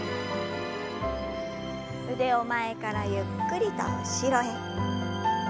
腕を前からゆっくりと後ろへ。